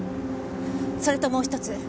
それともう１つ。